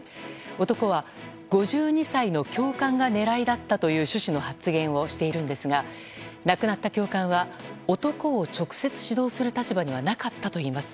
男は、５２歳の教官が狙いだったという趣旨の発言をしているんですが亡くなった教官は男を直接指導する立場ではなかったといいます。